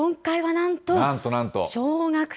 なんとなんと。